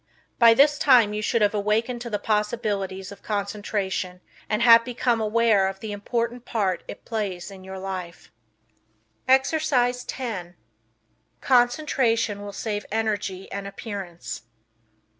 By this time you should have awakened to the possibilities of concentration and have become aware of the important part it plays in your life. Exercise 10 Concentration Will Save Energy and Appearance.